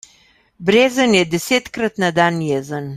Brezen je desetkrat na dan jezen.